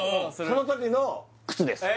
その時の靴です